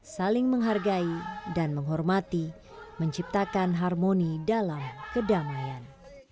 saling menghargai dan menghormati menciptakan harmoni dalam kedamaian